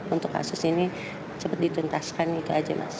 untuk kasus ini cepat dituntaskan gitu aja mas